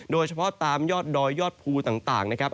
โดยเฉพาะตามยอดดอยยอดภูต่างนะครับ